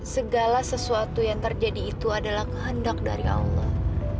segala sesuatu yang terjadi itu adalah kehendak dari allah